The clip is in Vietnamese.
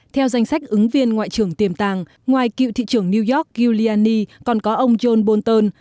theo danh sách ứng viên ngoại trưởng tiềm tàng ngoài cựu thị trưởng new york giulyani còn có ông john bolton